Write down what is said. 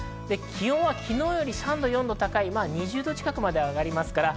気温は昨日より３度４度高い２０度近くまで上がります。